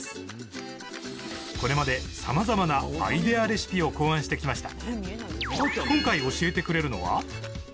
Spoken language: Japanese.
これまでさまざまなアイデアレシピを考案してきました。